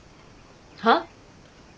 はっ？